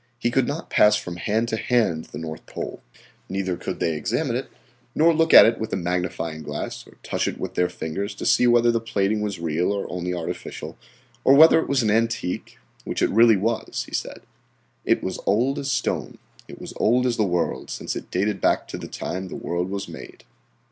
He could not pass from hand to hand the North Pole. Neither could they examine it nor look at it with a magnifying glass or touch it with their fingers to see whether the plating was real or only artificial, or whether it was an antique, which it really was, he said. It was as old as stone, it was as old as the world, since it dated back to the time the world was made.